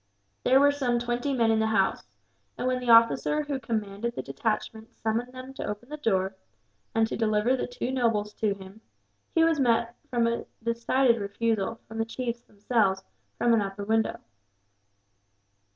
There were some twenty men in the house, and when the officer who commanded the detachment summoned them to open the door, and to deliver the two nobles to him, he was met by a decided refusal, from the chiefs themselves, from an upper window.